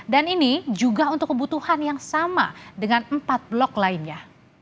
dan ini juga untuk kebutuhan yang sama dengan empat blok lainnya